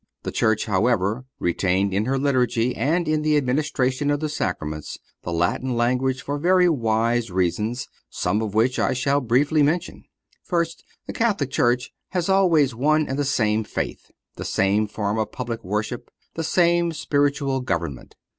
The Church, however, retained in her Liturgy, and in the administration of the Sacraments, the Latin language for very wise reasons, some of which I shall briefly mention: First—The Catholic Church has always one and the same faith, the same form of public worship, the same spiritual government.